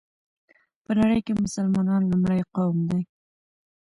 په نړۍ كې مسلمانان لومړى قوم دى